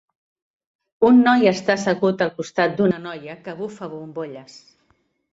Un noi està assegut al costat d'una noia que bufa bombolles